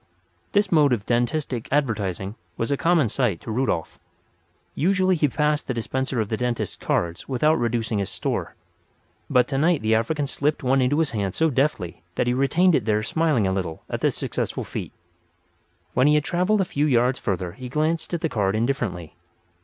This mode of dentistic advertising was a common sight to Rudolf. Usually he passed the dispenser of the dentist's cards without reducing his store; but tonight the African slipped one into his hand so deftly that he retained it there smiling a little at the successful feat. When he had travelled a few yards further he glanced at the card indifferently.